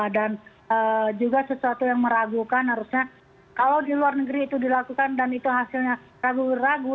dan juga sesuatu yang meragukan harusnya kalau di luar negeri itu dilakukan dan itu hasilnya ragu ragu